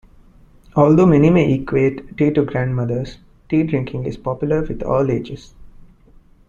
Although many may equate tea to grandmothers, tea drinking is popular with all ages.